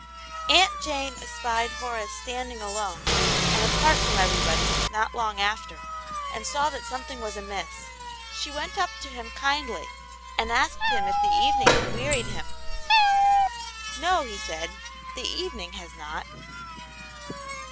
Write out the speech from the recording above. Aunt Jane espied Horace standing alone and apart from everybody not long after, and saw that something was amiss. She went up to him kindly, and asked him if the evening had wearied him. " No," he said, " the evening has not."